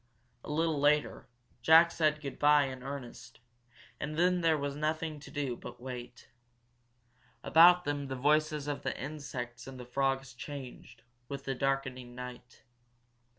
A little later Jack said good bye in earnest, and then there was nothing to do but wait. About them the voices of the insects and frogs changed, with the darkening night.